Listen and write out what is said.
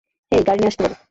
হেই, গাড়ি নিয়ে আসতে বল।